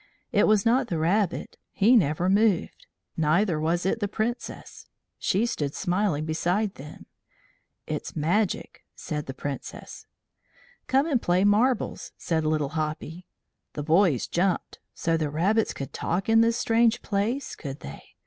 It was not the rabbit he never moved. Neither was it the Princess. She stood smiling beside them. "It's magic," said the Princess. "Come and play marbles," said Little Hoppy. The boys jumped. So the rabbits could talk in this strange place, could they?